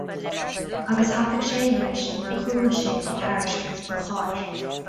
Agus thapaigh sé a dheis nuair a chuala sé faoi thairiscint an chairr.